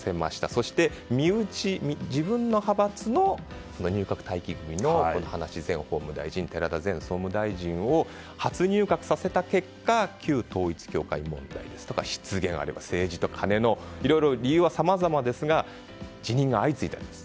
そして、自分の派閥の入閣待機組の葉梨前法務大臣寺田前総務大臣を初入閣させた結果旧統一教会問題ですとか失言や、あるいは政治とカネのいろいろ理由はさまざまですが辞任が相次いだんです。